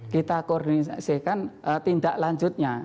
kita koordinasikan tindak lanjutnya